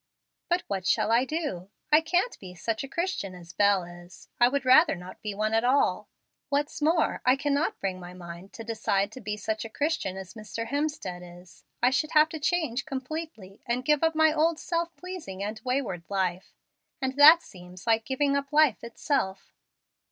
"But what shall I do? I can't be such a Christian as Bel is. I would rather not be one at all. What's more, I cannot bring my mind to decide to be such a Christian as Mr. Hemstead is. I should have to change completely, and give up my old self pleasing and wayward life, and that seems like giving up life itself.